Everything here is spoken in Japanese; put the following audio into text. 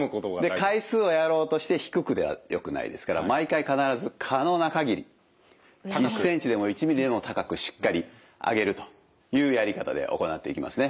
で回数をやろうとして低くではよくないですから毎回必ず可能な限り１センチでも１ミリでも高くしっかり上げるというやり方で行っていきますね。